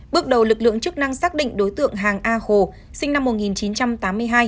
bước đầu lực lượng chức năng xác định đối tượng hàng a khổ sinh năm một nghìn chín trăm tám mươi hai